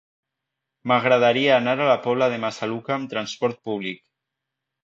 M'agradaria anar a la Pobla de Massaluca amb trasport públic.